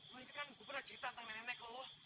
lo inget kan gue pernah cerita tentang nenek nenek lo